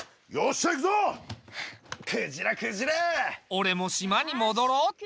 俺も島に戻ろうっと。